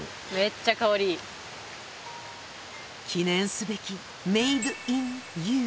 記念すべきメイドインＹＯＵ。